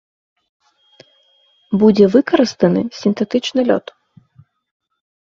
Будзе выкарыстаны сінтэтычны лёд.